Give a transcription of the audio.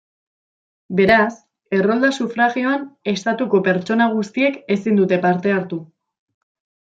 Beraz, errolda-sufragioan Estatuko pertsona guztiek ezin dute parte hartu.